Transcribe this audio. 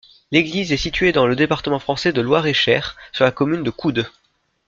L'église est située dans le département français de Loir-et-Cher, sur la commune de Couddes.